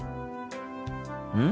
うん？